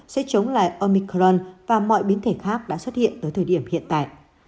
sẽ chống lại omicron và mọi biến thể khác đã xuất hiện tới thời điểm hiện tại